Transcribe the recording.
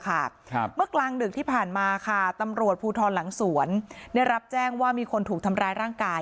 เมื่อกลางดึกที่ผ่านมาค่ะตำรวจภูทรหลังสวนได้รับแจ้งว่ามีคนถูกทำร้ายร่างกาย